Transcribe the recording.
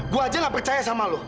gua aja gak percaya sama lu